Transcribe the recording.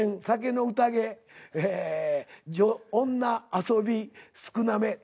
酒のうたげ「女」「遊び」「少なめ」